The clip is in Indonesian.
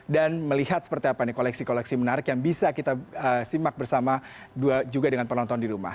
dan melihat seperti apa koleksi koleksi menarik yang bisa kita simak bersama juga dengan penonton di rumah